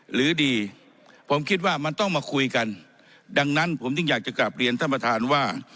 หรือดีผมคิดว่ามันต้องมาคุยกันดังนั้นผมจึงอยากจะกลับเรียนท่านประธานว่า